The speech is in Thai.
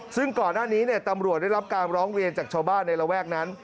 ซึ่งก่อนหน้านี้ตำรวจได้รับการร้องเรียนจากชาวบ้านในระแวกนั้น